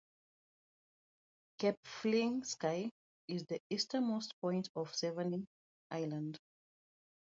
Cape Flissingsky is the easternmost point of Severny Island.